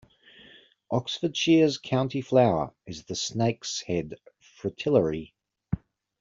Oxfordshire's county flower is the snake's-head fritillary.